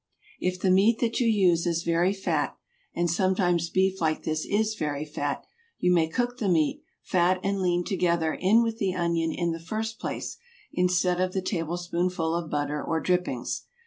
If the meat that you use is very fat, and sometimes beef like this is very fat, you may cook the meat, fat and lean together in with the onion in the first place instead of the tablespoonful of butter or drippings.